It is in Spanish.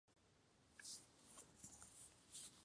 Un estudio exclusivo para una radio única.